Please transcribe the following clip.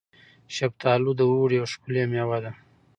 شفتالو د اوړي یوه ښکلې میوه ده.